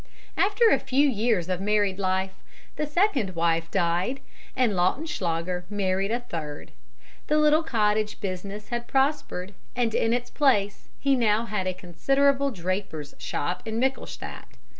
"After a few years of married life the second wife died, and Lautenschlager married a third. The little cottage business had prospered, and in its place he now had a considerable draper's shop in Michelstadt.